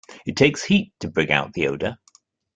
It takes heat to bring out the odor.